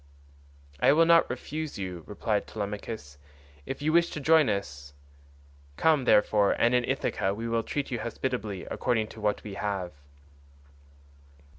"I will not refuse you," replied Telemachus, "if you wish to join us. Come, therefore, and in Ithaca we will treat you hospitably according to what we have."